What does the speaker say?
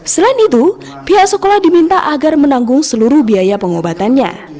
selain itu pihak sekolah diminta agar menanggung seluruh biaya pengobatannya